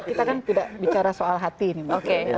kita kan tidak bicara soal hati ini mbak dita